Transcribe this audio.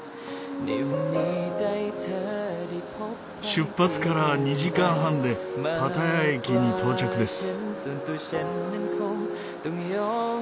出発から２時間半でパタヤ駅に到着です。